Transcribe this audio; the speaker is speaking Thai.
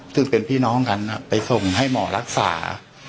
ซึ่งเป็นพี่น้องกันไปส่งให้หมอรักษา